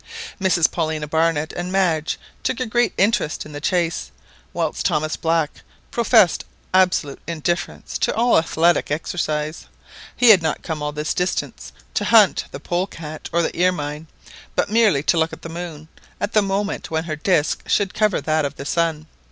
Mrs Paulina Barnett and Madge took a great interest in the chase, whilst Thomas Black professed absolute indifference to all athletic exercise. He had not come all this distance to hunt the polecat or the ermine, but merely to look at the moon at the moment when her disc should cover that of the sun.